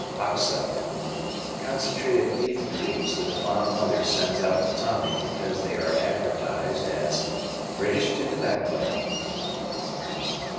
Oxo. Concentrated beef cubes that a fond mother sends out to Tommy because they are advertised as "British to the Backbone."